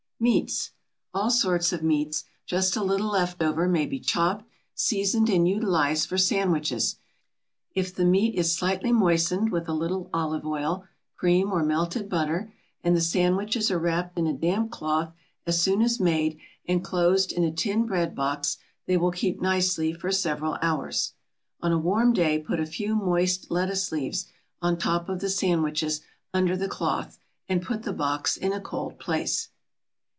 MEATS: All sorts of meats, just a little left over, may be chopped, seasoned and utilized for sandwiches. If the meat is slightly moistened with a little olive oil, cream or melted butter, and the sandwiches are wrapped in a damp cloth, as soon as made, and closed in a tin bread box, they will keep nicely for several hours. On a warm day put a few moist lettuce leaves on top of the sandwiches, under the cloth, and put the box in a cold place.